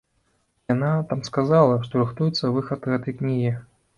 Яна там сказала, што рыхтуецца выхад гэтай кнігі.